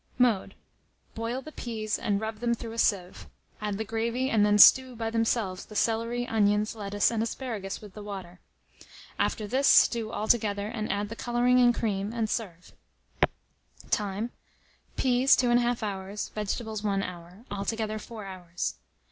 Mode. Boil the peas, and rub them through a sieve; add the gravy, and then stew by themselves the celery, onions, lettuce, and asparagus, with the water. After this, stew altogether, and add the colouring and cream, and serve. Time. Peas 2 1/2 hours, vegetables 1 hour; altogether 4 hours.